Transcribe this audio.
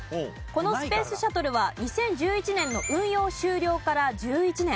この「スペースシャトル」は２０１１年の運用終了から１１年。